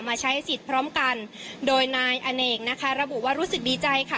มาใช้สิทธิ์พร้อมกันโดยนายอเนกนะคะระบุว่ารู้สึกดีใจค่ะ